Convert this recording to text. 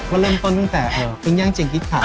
มันเริ่มต้นตั้งแต่ปิ้งย่างเจียงกิสคาน